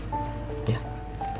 makasih sekali lagi